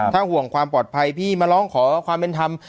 ถ้าห่วงความปลอดภัยพี่มาร้องขอความเป็นธรรม